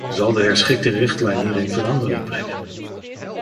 Zal de herschikte richtlijn hierin verandering brengen?